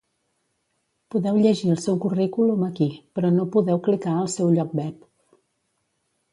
Podeu llegir el seu currículum aquí, però no podeu clicar el seu lloc web.